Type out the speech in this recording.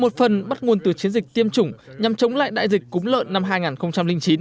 một phần bắt nguồn từ chiến dịch tiêm chủng nhằm chống lại đại dịch cúng lợn năm hai nghìn chín